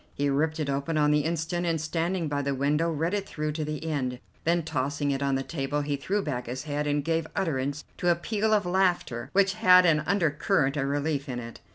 He ripped it open on the instant, and, standing by the window, read it through to the end, then, tossing it on the table, he threw back his head and gave utterance to a peal of laughter which had an undercurrent of relief in it.